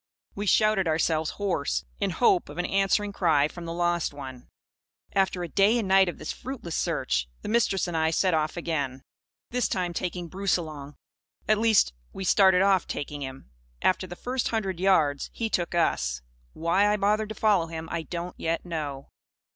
We shouted ourselves hoarse, in hope of an answering cry from the lost one. After a day and a night of this fruitless search, the Mistress and I set off again; this time taking Bruce along. At least, we started off taking him. After the first hundred yards, he took us. Why I bothered to follow him, I don't yet know.